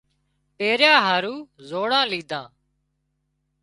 پيريا هارو زوڙان ليڌا